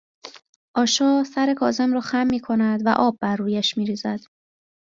آشا سر کاظم را خم میکند و آب بر رویش میریزد